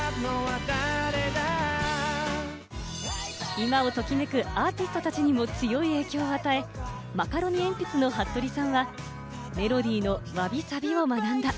今をときめくアーティストたちにも強い影響を与え、マカロニえんぴつのはっとりさんは、メロディーのわびさびを学んだ。